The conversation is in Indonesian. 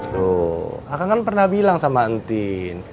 tuh kakak kan pernah bilang sama entin